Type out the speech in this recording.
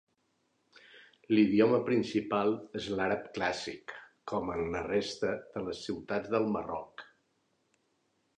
L'idioma principal és l'àrab clàssic, com en la resta de les ciutats del Marroc.